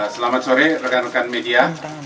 selamat sore rekan rekan media